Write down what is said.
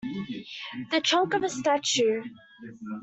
The trunk of a statue.